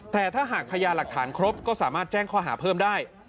แต่ถ้าหากพญาหลักฐานครบก็สามารถแจ้งข้อหาเพิ่มได้